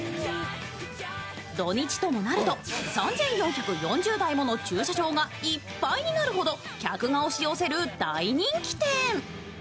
土日ともなると、３４４０台もの駐車場がいっぱいになるほど客が押し寄せる大人気店。